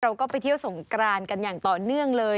เราก็ไปเที่ยวสงกรานกันอย่างต่อเนื่องเลย